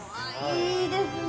いいですね。